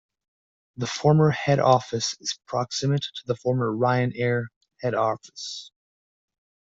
This former head office is proximate to the former Ryanair head office.